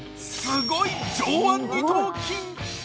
すごい、上腕二頭筋！